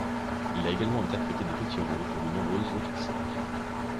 Il a également interprété des petits rôles pour de nombreuses autres séries.